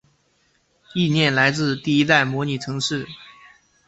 意念来自第一代模拟城市。